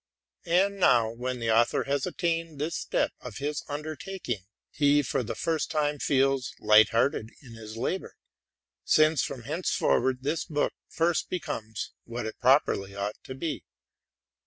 And now, when the author has attained this step of his undertaking, he for the first time feels light hearted in his labor ; since from henceforward this book first becomes what it properly ought to be.